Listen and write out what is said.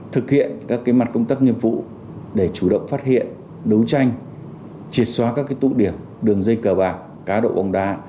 thực hiện các mặt công tác nghiệp vụ để chủ động phát hiện đấu tranh triệt xóa các tụ điểm đường dây cờ bạc cá độ bóng đá